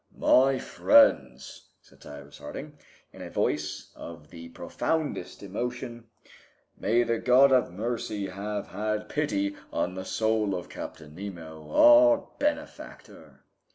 "My friends," said Cyrus Harding, in a voice of the profoundest emotion, "may the God of mercy have had pity on the soul of Captain Nemo, our benefactor."